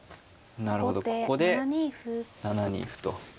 なるほどここで７二歩と。